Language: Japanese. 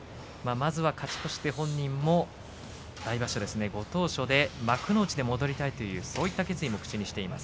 まずは勝ち越して、本人も来場所、ご当所で幕内に戻りたいという決意を口にしています。